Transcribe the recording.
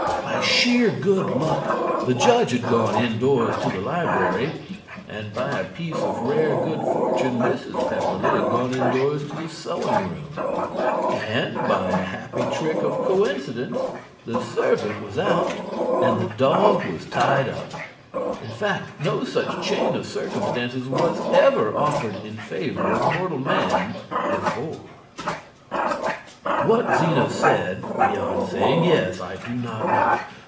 By sheer good luck the judge had gone indoors to the library, and by a piece of rare good fortune Mrs. Pepperleigh had gone indoors to the sewing room, and by a happy trick of coincidence the servant was out and the dog was tied up in fact, no such chain of circumstances was ever offered in favour of mortal man before. What Zena said beyond saying yes I do not know.